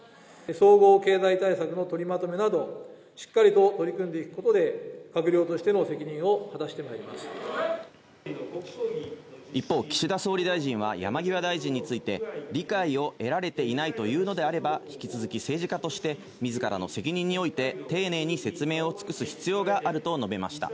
総合経済対策の取りまとめなど、しっかりと取り組んでいくことで、閣僚としての責任を果たしてまい一方、岸田総理大臣は山際大臣について、理解を得られていないというのであれば、引き続き政治家として、みずからの責任において丁寧に説明を尽くす必要があると述べました。